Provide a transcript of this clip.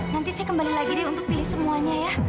nanti sih kembali lagi deh untuk pilih semuanya ya